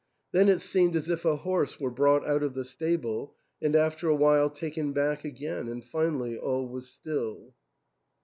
Then it seemed as if a horse were brought out of the stable, and after a while taken back again, and finally all was still.